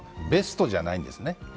ベストじゃないんですね。